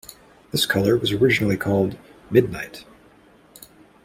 This color was originally called "midnight".